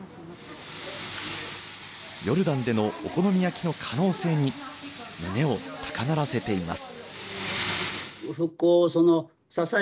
ヨルダンでのお好み焼きの可能性に胸を高鳴らせています。